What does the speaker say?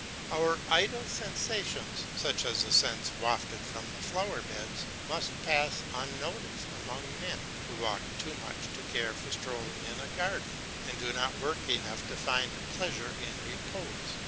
Our idle sensations, such as the scents wafted from the flower beds, must pass unnoticed among men who walk too much to care for strolling in a garden, and do not work enough to find pleasure in repose.